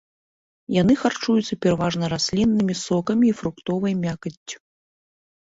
Яны харчуюцца пераважна расліннымі сокамі і фруктовай мякаццю.